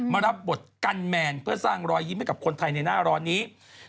รับบทกันแมนเพื่อสร้างรอยยิ้มให้กับคนไทยในหน้าร้อนนี้